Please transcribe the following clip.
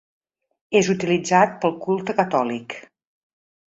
És utilitzat pel culte catòlic.